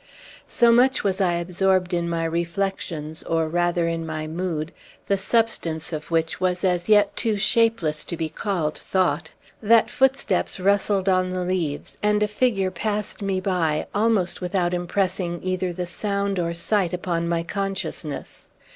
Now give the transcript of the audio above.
So much was I absorbed in my reflections, or, rather, in my mood, the substance of which was as yet too shapeless to be called thought, that footsteps rustled on the leaves, and a figure passed me by, almost without impressing either the sound or sight upon my consciousness.